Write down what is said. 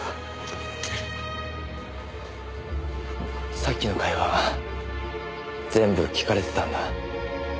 さっきの会話全部聞かれてたんだ。